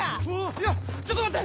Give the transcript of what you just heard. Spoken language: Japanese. いやちょっと待って！